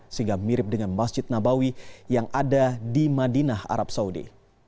sehingga mirip dengan masjid nabawi yang ada di madinah arab saudi